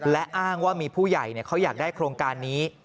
และอ้างว่ามีผู้ใหญ่เขาอยากได้โครงการนี้